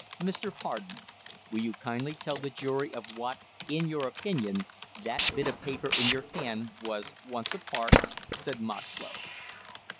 "Mr. Harden, will you kindly tell the jury of what, in your opinion, that bit of paper in your hand was once a part?" said Moxlow.